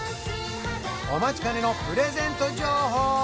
お待ちかねのプレゼント情報